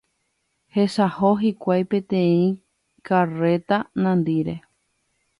Hesaho hikuái peteĩ karréta nandíre.